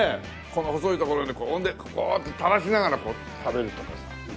この細いところでこうやって垂らしながら食べるとかさ。